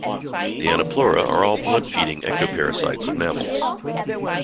The Anoplura are all blood-feeding ectoparasites of mammals.